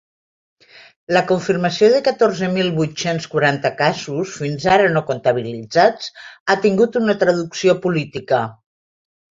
La confirmació de catorze mil vuit-cents quaranta casos fins ara no comptabilitzats ha tingut una traducció política.